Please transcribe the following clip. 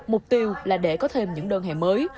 mục tiêu là để có thêm những đơn hàng mới